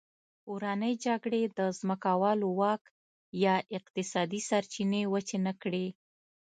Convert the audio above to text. کورنۍ جګړې د ځمکوالو واک یا اقتصادي سرچینې وچې نه کړې.